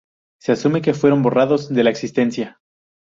Se asume que fueron borrados de la existencia.